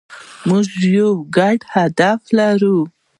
موږ یو ګډ هدف لرو.